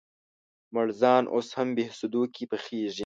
مړزان اوس هم بهسودو کې پخېږي؟